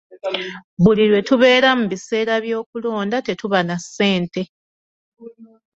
Buli lwe tubeera mu biseera by'okulonda tetuba na ssente.